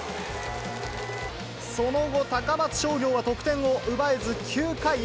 その後、高松商業は得点を奪えず、９回へ。